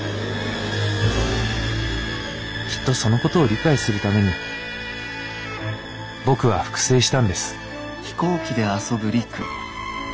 きっとそのことを理解するために僕は復生したんです」。